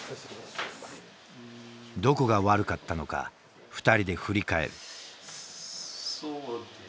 どこが悪かったのか２人で振り返る。